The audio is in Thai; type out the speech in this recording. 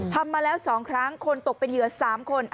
ทำมาแล้ว๒ครั้งคนตกเป็นเหยื่อ๓คน